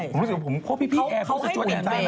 ผมรู้สึกว่าพี่แอร์คงจะช่วยแน่นั้นนะจริง